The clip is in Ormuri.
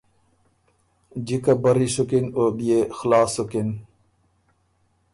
جِکه برّی سُکِن او بيې خلاص سُکِن،